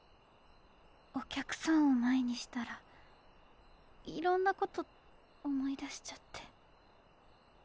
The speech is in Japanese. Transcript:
お客さんを前にしたらいろんなこと思い出しちゃって。